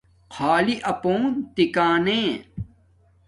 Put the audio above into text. خݳلݵ اپݸن تِکݳنݺ.